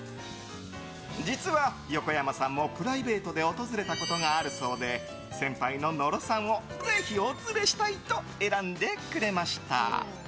実は横山さんもプライベートで訪れたことがあるそうで先輩の野呂さんをぜひお連れしたいと選んでくれました。